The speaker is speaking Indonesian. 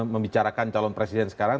membicarakan calon presiden sekarang